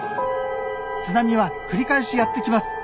津波は繰り返しやって来ます。